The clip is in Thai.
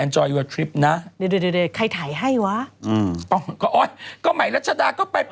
เจอเบลล่าฮานีล่ะ